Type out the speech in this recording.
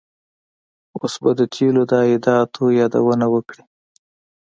اوس به د تیلو د عایداتو یادونه وکړي.